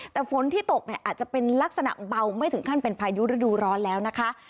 แต่ฝนที่ตกเนี่ยอาจจะเป็นลักษณะเบาไม่ถึงขั้นเป็นพายุฤดูร้อนแล้วนะคะ